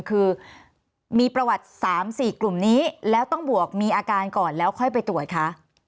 คือมีประวัติ๓๔กลุ่มนี้แล้วต้องบวกมีอาการก่อนแล้วค่อยไปตรวจคะ